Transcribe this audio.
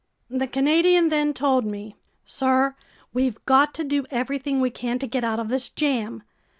The Canadian then told me: "Sir, we've got to do everything we can to get out of this jam!